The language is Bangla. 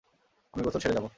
আমি গোসল সেরে খাবো।